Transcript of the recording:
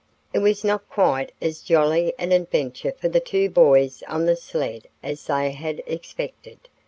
It was not quite as jolly an adventure for the two boys on the sled as they had expected.